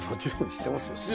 知ってますよね？